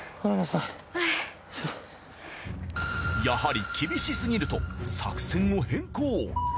やはり厳しすぎると作戦を変更。